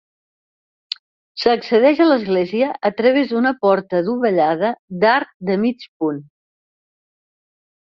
S'accedeix a l'església a través d'una porta adovellada d'arc de mig punt.